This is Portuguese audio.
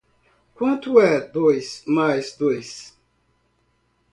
Quanto é dois mais dois?